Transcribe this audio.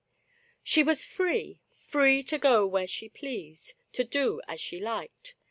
She was free — free to go where she pleased — to do as she liked.